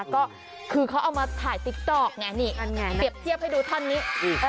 ก็คือเขาเอามาถ่ายติ๊กต๊อกไงนี่เปรียบเทียบให้ดูท่อนนี้